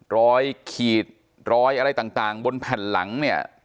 รอยขีดรอยอะไรต่างบนแผ่นหลังเนี่ย